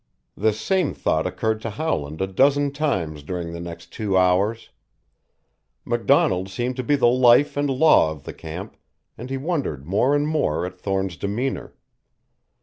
This same thought occurred to Howland a dozen times during the next two hours. MacDonald seemed to be the life and law of the camp, and he wondered more and more at Thorne's demeanor.